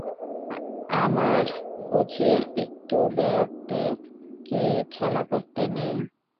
আমার বুঝি একটু বেড়াতে কি খেলা করতে নেই।